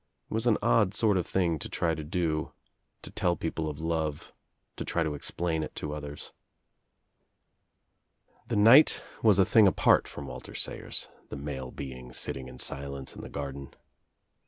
It was on odd sort of thin to try to do — to tell people of love, to try to expUi it to others. The night was a thing apart from Walter Sayer^ the male being sitting In silence in the garden.